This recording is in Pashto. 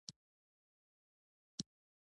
سوله داسي عمومي مفهوم دی.